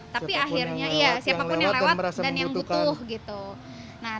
siapapun yang lewat dan yang butuh